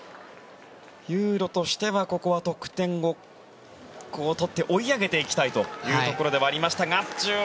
ユーロとしてはここは得点を取って追い上げていきたいというところではありましたが１４．１６６。